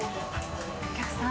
お客さん